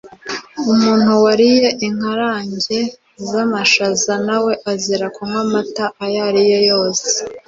Umuntu wariye inkarange z’amashaza nawe azira kunywa amata ayo ariyo yose